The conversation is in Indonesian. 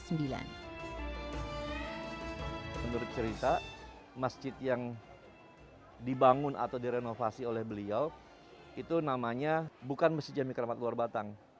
menurut cerita masjid yang dibangun atau direnovasi oleh beliau itu namanya bukan masjid jami keramat luar batang